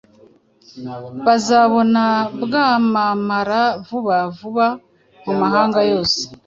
bazabona bwamamara vuba vuba mu mahanga yose